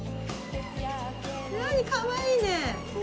何かわいいね！